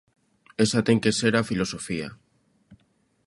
Esa ten que ser a filosofía.